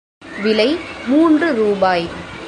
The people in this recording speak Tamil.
விலை மூன்று ரூபாய்.